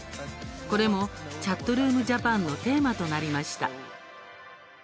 これも「ＣｈａｔｒｏｏｍＪａｐａｎ」のテーマとなりました。